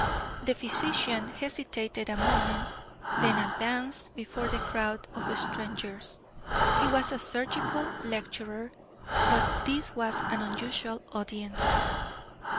The physician hesitated a moment, then advanced before the crowd of strangers. He was a surgical lecturer, but this was an unusual audience.